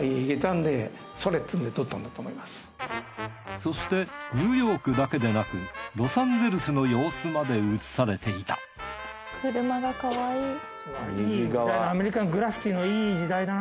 そしてニューヨークだけでなくロサンゼルスの様子まで映されていたアメリカングラフィティのいい時代だな。